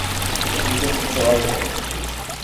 حقیقت کچھ اور ہے۔